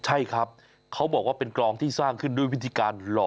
ใช่ครับเขาบอกว่าเป็นกรองที่สร้างขึ้นด้วยวิธีการหล่อ